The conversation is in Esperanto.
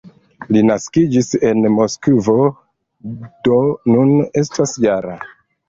Li naskiĝis en Moskvo, do nun estas -jara.